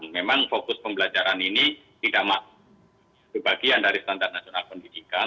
memang fokus pembelajaran ini tidak masuk ke bagian dari standar nasional pendidikan